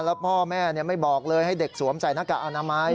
แล้วพ่อแม่ไม่บอกเลยให้เด็กสวมใส่หน้ากากอนามัย